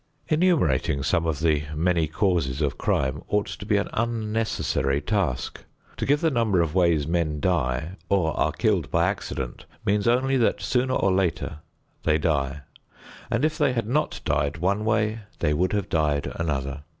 Enumerating some of the many causes of crime ought to be an unnecessary task. To give the number of ways men die or are killed by accident, means only that sooner or later they die, and if they had not died one way, they would have died another.